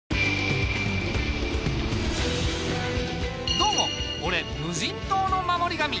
どうも俺無人島の守り神。